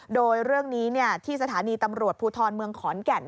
โดยเรื่องนี้ที่สถานีตำรวจภูทรเมืองขอนแก่น